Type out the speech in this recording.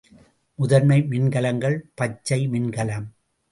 முதன்மை மின்கலங்கள் பசை மின்கலம்.